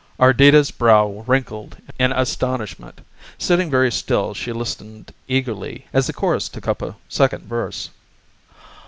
Ardita's brow wrinkled in astonishment. Sitting very still she listened eagerly as the chorus took up a second verse.